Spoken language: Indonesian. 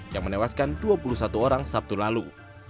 yang menewaskan dua puluh satu orang sabtu lalu